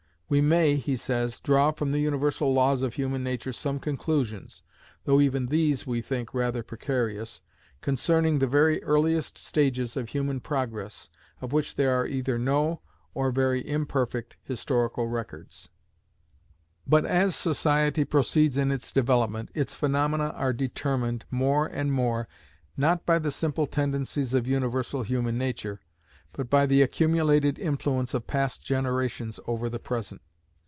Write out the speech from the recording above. We may, he says, draw from the universal laws of human nature some conclusions (though even these, we think, rather precarious) concerning the very earliest stages of human progress, of which there are either no, or very imperfect, historical records. But as society proceeds in its development, its phaenomena are determined, more and more, not by the simple tendencies of universal human nature, but by the accumulated influence of past generations over the present.